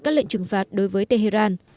các lệnh trừng phạt đối với tehran